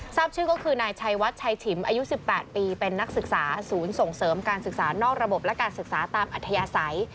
ทราบชื่อก็คือนายชัยวัดชัยฉิมอายุ๑๘ปีเป็นนักศึกษาศูนย์ส่งเสริมการศึกษานอกระบบและการศึกษาตามอัธยาศัย